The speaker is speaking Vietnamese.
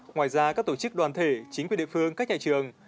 ngoài ra các tổ chức đoàn thể chính quyền địa phương các nhà trường